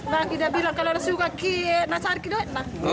bisa bilang kalau suka ke nasarki doang